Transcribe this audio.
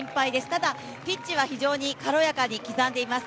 ただピッチは非常に軽やかに刻んでいます。